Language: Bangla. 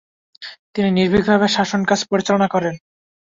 তিনি নির্ভীকভাবে শাসনকাজ পরিচালনা করেন।